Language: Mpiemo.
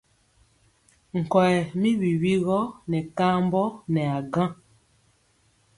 Nkɔyɛ mi wiwi gɔ nɛ kambɔ nɛ a gaŋ.